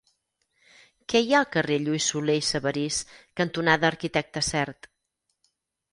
Què hi ha al carrer Lluís Solé i Sabarís cantonada Arquitecte Sert?